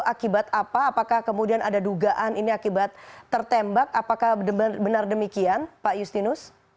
akibat apa apakah kemudian ada dugaan ini akibat tertembak apakah benar demikian pak justinus